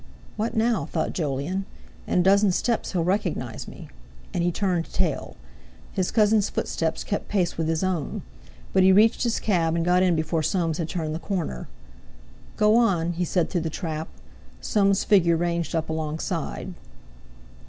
"What now?" thought Jolyon. "In a dozen steps he'll recognise me." And he turned tail. His cousin's footsteps kept pace with his own. But he reached his cab, and got in before Soames had turned the corner. "Go on!" he said through the trap. Soames' figure ranged up alongside.